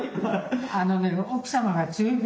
あのね奥様が強いからね